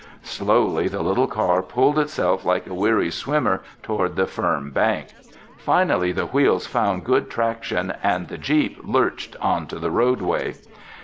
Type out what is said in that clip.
Slowly the little car pulled itself like a weary swimmer toward the firm bank. Finally the wheels found good traction and the jeep lurched onto the roadway.